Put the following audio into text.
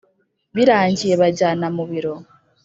Birangiye banjyana mu biro,